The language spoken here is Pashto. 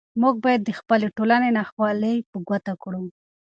موږ باید د خپلې ټولنې ناخوالې په ګوته کړو.